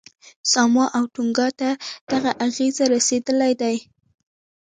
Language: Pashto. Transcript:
ساموا او تونګا ته دغه اغېزې رسېدلې دي.